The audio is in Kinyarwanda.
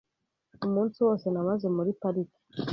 Umunsi wose namaze muri parike.